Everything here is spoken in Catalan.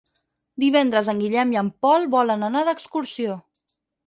Divendres en Guillem i en Pol volen anar d'excursió.